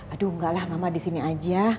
aduh enggak lah mama di sini aja